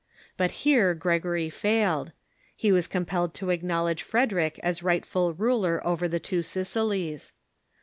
But here Gregory failed. He was compelled to acknowledge Frederic as rightful ruler over the Two Sicilies.